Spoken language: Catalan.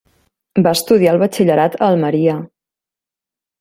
Va estudiar el batxillerat a Almeria.